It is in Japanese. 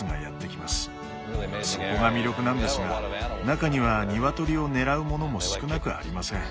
そこが魅力なんですが中にはニワトリを狙うものも少なくありません。